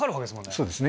そうですね。